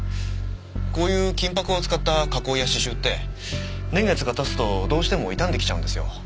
こういう金箔を使った加工や刺繍って年月が経つとどうしても傷んできちゃうんですよ。